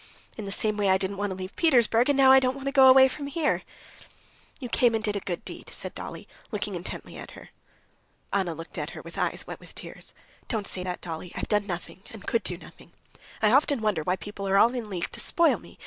"In the same way I didn't want to leave Petersburg, and now I don't want to go away from here." "You came here and did a good deed," said Dolly, looking intently at her. Anna looked at her with eyes wet with tears. "Don't say that, Dolly. I've done nothing, and could do nothing. I often wonder why people are all in league to spoil me.